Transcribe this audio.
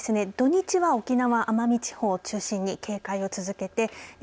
土日は沖縄・奄美地方を中心に警戒を続けてください。